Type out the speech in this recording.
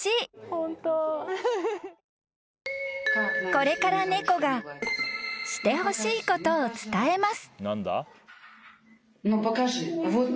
［これから猫がしてほしいことを伝えます］